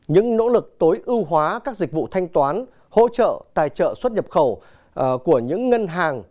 những nỗ lực tối ưu hóa các dịch vụ thanh toán hỗ trợ tài trợ xuất nhập khẩu của những ngân hàng